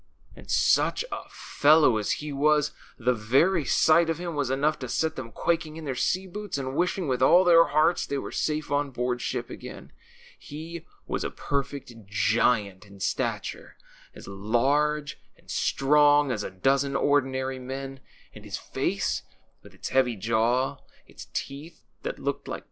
And such a fellow as he was ! The very sight of him was enough to set them quaking in their sea boots and wishing with all their hearts they were safe on board ship again. He was a perfect giant in stature, as large and strong as a dozen ordinary men ; and his face, with its heavy jaw, its teeth that looked like loS THE CHILDREN'S WONDER BOOK.